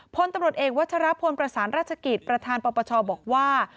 พลตำรวจเอกวัชรพลประสานราชกิจประธานปปชบอกว่า